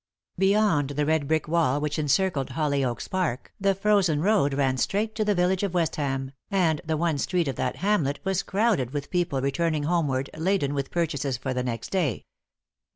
Beyond the red brick wall which encircled Hollyoaks Park the frozen road ran straight to the village of Westham, and the one street of that hamlet was crowded with people returning homeward laden with purchases for the next day.